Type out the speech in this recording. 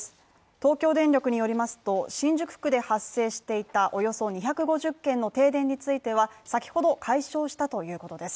東京電力によりますと新宿区で発生していたおよそ２５０軒の停電については先ほど解消したということです。